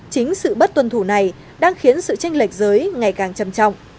chính sự bất tuân thủ này đang khiến sự tranh lệch giới ngày càng trầm trọng